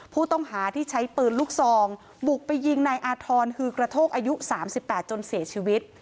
ผู้ต้องหาที่ใช้ปืนลูกซองบุกไปยิงนายอาธรณ์ฮือกระโทกอายุ๓๘จนเสียชีวิต